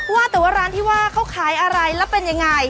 ว่าแต่ว่าร้านที่ว่าเขาขายอะไรแล้วเป็นยังไง